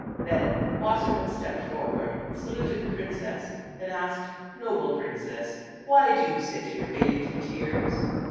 Then Wassermann stepped for ward, saluted the princess and asked, " Noble princess, why do you sit here bathed in tears